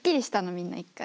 みんな一回。